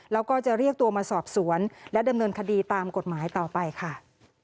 แล้วก็จะเรียกตัวมาสอบสวนและดำเนินคดีตามกฎหมายต่อไปค่ะ